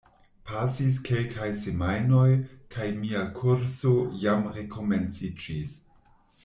Pasis kelkaj semajnoj kaj mia kurso jam rekomenciĝis.